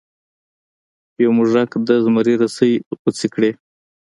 یو موږک د زمري رسۍ غوڅې کړې.